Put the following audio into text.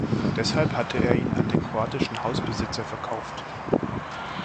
Deshalb hatte er ihn an den kroatischen Hausbesitzer verkauft.